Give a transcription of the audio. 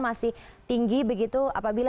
masih tinggi begitu apabila